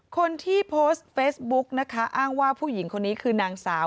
คนที่โพสต์เฟซบุ๊กนะคะอ้างว่าผู้หญิงคนนี้คือนางสาว